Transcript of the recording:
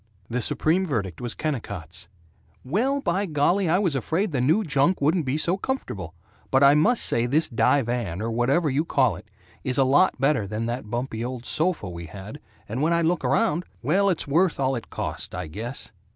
The supreme verdict was Kennicott's "Well, by golly, I was afraid the new junk wouldn't be so comfortable, but I must say this divan, or whatever you call it, is a lot better than that bumpy old sofa we had, and when I look around Well, it's worth all it cost, I guess."